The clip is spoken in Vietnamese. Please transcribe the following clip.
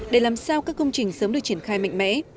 để làm sao các công trình sớm được triển khai mạnh mẽ